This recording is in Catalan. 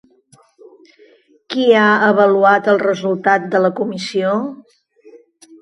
Qui ha avaluat el resultat de la comissió?